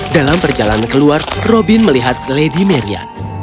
dalam perjalanan keluar robin melihat lady marian